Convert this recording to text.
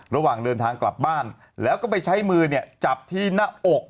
ระหว่างเดินทางกลับบ้านแล้วก็ไปใช้มือเนี่ยจับที่หน้าอก